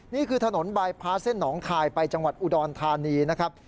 นี่คือถนนบายพาเส้นหนองคายไปจังหวัดอุดรธานีนะครับ